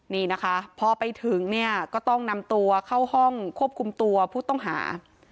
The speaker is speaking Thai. นี่นะคะพอไปถึงเนี่ยก็ต้องนำตัวเข้าห้องควบคุมตัวผู้ต้องหา